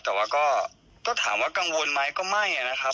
แต่ว่าก็ถามว่ากังวลไหมก็ไม่นะครับ